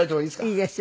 いいですよ。